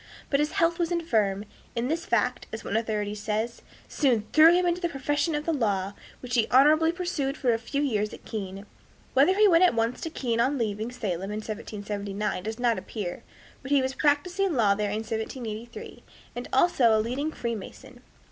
But his health was infirm, and this fact, as one authority says, "soon threw him into the profession of the law, which he honorably pursued for a few years at Keene." Whether he went at once to Keene on leaving Salem in 1779 does not appear, but he was practicing law there in 1783, and was also a leading Freemason.